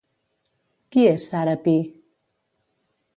Qui és Sara Pi?